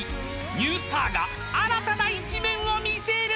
［ニュースターが新たな一面を見せる！］